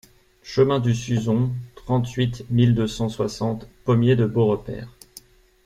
Chemin du Suzon, trente-huit mille deux cent soixante Pommier-de-Beaurepaire